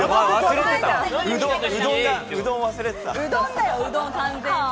うどんだよ、うどん、完全に。